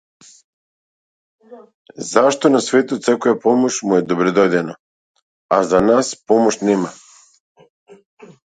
Зашто на светот секоја помош му е добредојдена, а за нас помош нема.